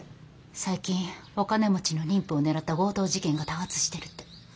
最近お金持ちの妊婦を狙った強盗事件が多発してるって。